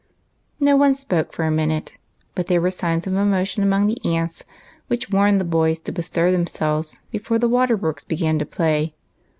No one spoke for a minute, but there were signs of emotion among the aunts, which warned the boys to bestir themselves before the water works began to play.